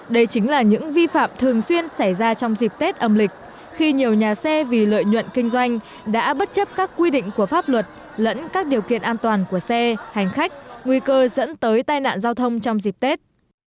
đây chính là những vi phạm thường xuyên xảy ra trong dịp tết âm lịch khi nhiều nhà xe vì lợi nhuận kinh doanh đã bất chấp các quy định của pháp luật lẫn các điều kiện an toàn của xe hành khách nguy cơ dẫn tới tai nạn giao thông trong dịp tết